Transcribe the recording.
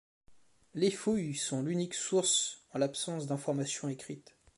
Les fouilles sont l'unique source en l'absence d'informations écrites.